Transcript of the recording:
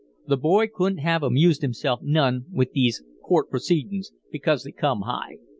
The boy couldn't have amused himself none with these court proceedings, because they come high.